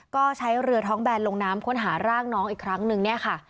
ก็ใช้เรือท้องแบนลงน้ำค้นหาร่างน้องอีกครั้งนึงเนี่ยค่ะ